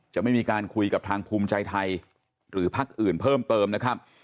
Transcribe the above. จะไม่มีการคุยกับทางภูมิใจไทยหรือพักอื่นเพิ่มเติมนะครับ